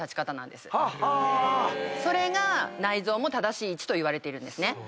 それが内臓も正しい位置といわれているんですね。